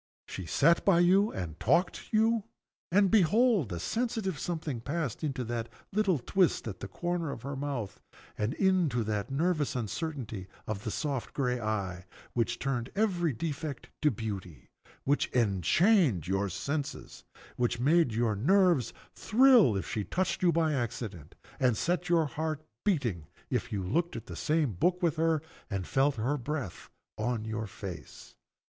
She sat by you and talked to you and behold, a sensitive something passed into that little twist at the corner of the mouth, and into that nervous uncertainty in the soft gray eye, which turned defect into beauty which enchained your senses which made your nerves thrill if she touched you by accident, and set your heart beating if you looked at the same book with her, and felt her breath on your face.